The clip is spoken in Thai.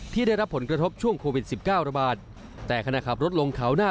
ได้รับผลกระทบช่วงโควิดสิบเก้าระบาดแต่ขณะขับรถลงเขาหน้า